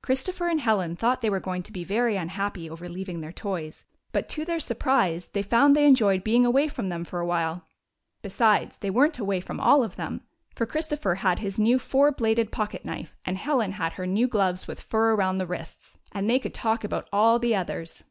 Christopher and Helen thought they were going to be very unhappy over leaving their toys, but to their supprise they found they enjoyed being away from them for awhile. Besides, they were n't away from all of them, for Christopher had his new four bladed pocket knife and Helen had her new gloves with fur around the wrists, and they could talk about all the others.